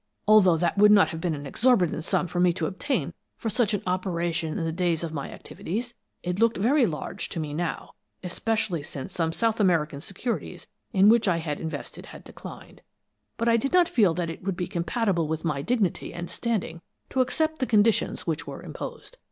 "Although that would not have been an exorbitant sum for me to obtain for such an operation in the days of my activities, it looked very large to me now, especially since some South American securities in which I invested had declined, but I did not feel that it would be compatible with my dignity and standing to accept the conditions which were imposed.